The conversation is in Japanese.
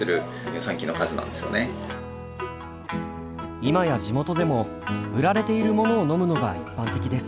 今や地元でも売られているものを飲むのが一般的です。